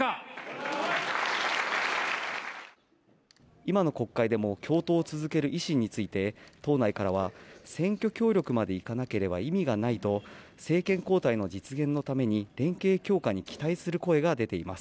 今の国会でも共闘を続ける維新について党内からは選挙協力まで行かなければ意味がないと政権交代の実現のために連携強化に期待する声が出ています。